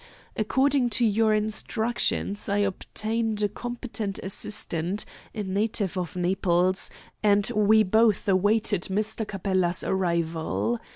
According to your instructions I obtained a competent assistant, a native of Naples, and we both awaited Mr. Capella's arrival.